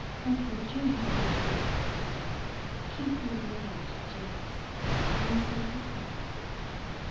"What would you have me do?" "Keep your word, James," answered his father.